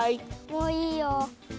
もういいよ。